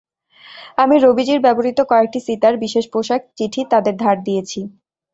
আমি রবিজির ব্যবহৃত কয়েকটি সিতার, বিশেষ পোশাক, চিঠি তাদের ধার দিয়েছি।